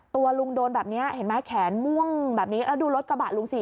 ตัวลุงโดนแบบนี้เห็นไหมแขนม่วงแบบนี้แล้วดูรถกระบะลุงสิ